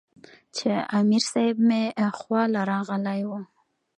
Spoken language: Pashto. چې امير صېب مې خواله راغلے وۀ -